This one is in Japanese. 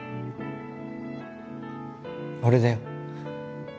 俺だよ